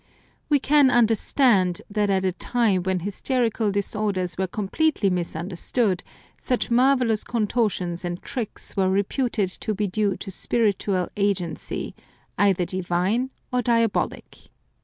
We can understand that at a time when hysteri cal disorders were completely misunderstood, such marvellous contortions and tricks were reputed to be due to spiritual agency, either divine or diabolic.